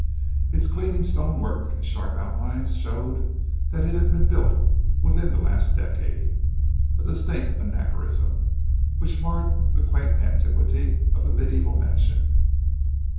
Its gleaming stone work and sharp outlines showed that it had been built within the last decade. A distinct anachronism, which marred the quaint antiquity of the mediæval mansion.